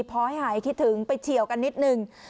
พอให้หายคิดถึงไปเฉียวกันนิดนึง